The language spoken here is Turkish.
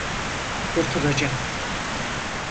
Kurtulacak.